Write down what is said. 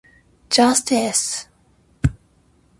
Justice!